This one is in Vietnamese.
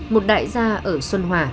một đại gia ở xuân hòa